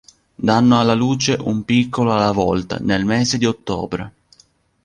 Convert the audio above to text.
Danno alla luce un piccolo alla volta nel mese di ottobre.